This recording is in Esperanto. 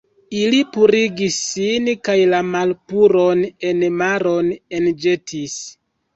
Ili purigis sin kaj la malpuron en maron enĵetis.